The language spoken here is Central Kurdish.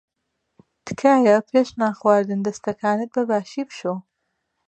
تکایە پێش نان خواردن دەستەکانت بەباشی بشۆ.